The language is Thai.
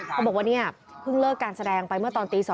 เขาบอกว่าเนี่ยเพิ่งเลิกการแสดงไปเมื่อตอนตี๒